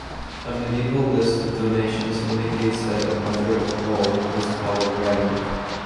A medieval list of donations indicates that the mother of Kol was called Ragnhild.